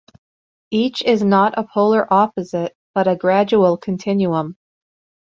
Each is not a polar opposite, but a gradual continuum.